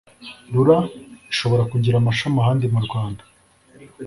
rura ishobora kugira amashami ahandi mu rwanda